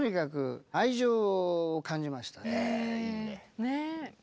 ねえ。